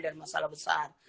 dari masalah besar